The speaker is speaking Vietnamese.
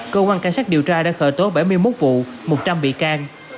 cơ quan cảnh sát điều tra đã khởi tố bảy mươi một vụ một trăm linh bị can